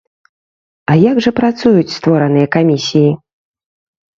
А як жа працуюць створаныя камісіі?